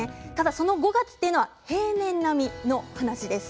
その５月は平年並みの話です。